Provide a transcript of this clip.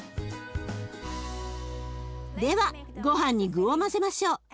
ではごはんに具を混ぜましょう。